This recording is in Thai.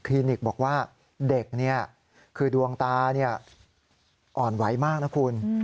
นิกบอกว่าเด็กคือดวงตาอ่อนไหวมากนะคุณ